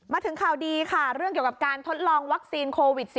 มาถึงข่าวดีค่ะเรื่องเกี่ยวกับการทดลองวัคซีนโควิด๑๙